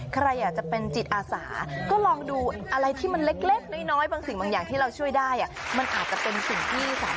ใครอยากจะเป็นจิตอาสาก็ลองดูอะไรที่มันเล็กน้อย